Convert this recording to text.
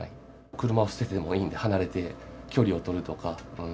車を捨ててでもいいんで離れて、距離を取るとか。